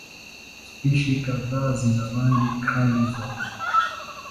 Spishi kadhaa zina rangi kali zaidi.